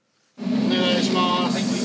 お願いします。